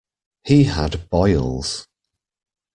He had boils.